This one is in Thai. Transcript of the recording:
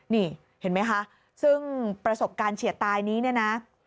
นี่เห็นไหมคะซึ่งประสบการณ์เฉียดตายนี้เนี่ยนะ